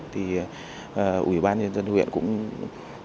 thì ủy ban nhân dân huyện cũng đáp ứng được